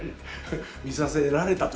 見させられたという。